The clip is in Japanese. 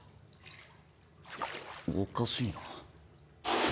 おかしいな。